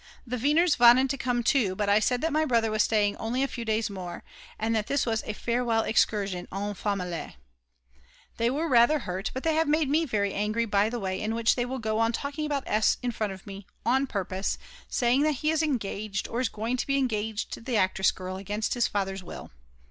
The Weiners wanted to come too, but I said that my brother was staying only a few days more, and that this was a "farewell excursion en famille." They were rather hurt, but they have made me very angry by the way in which they will go on talking about S. in front of me, on purpose, saying that he is engaged or is going to be engaged to the actress girl against his father's will.